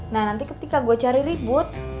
nah nanti ketika gue cari ribut